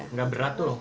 nggak berat tuh